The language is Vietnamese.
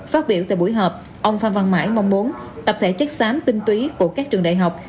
phát biểu tại buổi họp ông phan văn mãi mong muốn tập thể chất xám tinh túy của các trường đại học